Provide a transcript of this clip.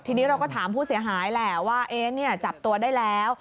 ทีนี้เราก็ถามผู้เสียหายแล้วว่าเองเนี่ยจับตัวได้แล้ว